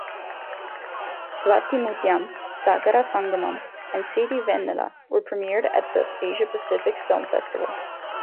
"Swati Mutyam", "Sagara Sangamam" and "Sirivennela" were premiered at the Asia Pacific Film Festival.